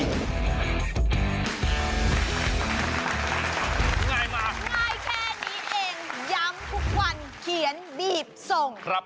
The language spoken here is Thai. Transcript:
ง่ายมาง่ายแค่นี้เองย้ำทุกวันเขียนบีบส่ง